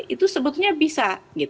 itu sebetulnya bisa